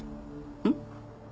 うん？